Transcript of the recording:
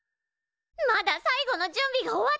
まだ最後の準備が終わってない。